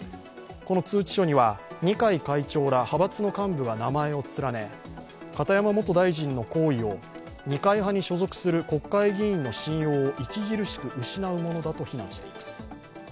通知書には、二階会長ら派閥の幹部らが名前を連ね、片山元大臣の行為を二階派に所属する国会議員の信用を著しく失うものだと非難しています。